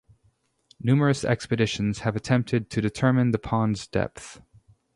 Numerous expeditions have attempted to determine the pond's depth.